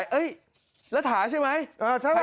เฮ้ยระถาใช่ไหม